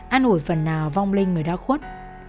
an ủi phần nào vong linh người đã khuất